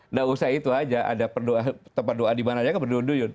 nggak usah itu aja ada tempat doa dimana aja kan berduyun duyun